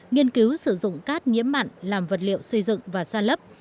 nghiên cứu sử dụng cát nhiễm mặn làm vật liệu xây dựng và san lấp